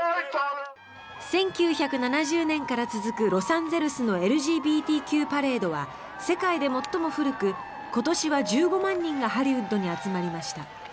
１９７０年から続くロサンゼルスのＬＧＢＴＱパレードは世界で最も古く今年は１５万人がハリウッドに集まりました。